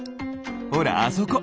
ほらあそこ。